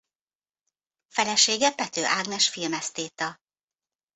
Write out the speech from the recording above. Felesége Pethő Ágnes filmesztéta.